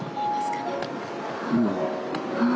ああ。